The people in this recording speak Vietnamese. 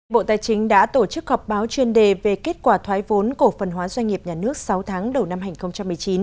bộ tài chính đã tổ chức họp báo chuyên đề về kết quả thoái vốn cổ phần hóa doanh nghiệp nhà nước sáu tháng đầu năm hai nghìn một mươi chín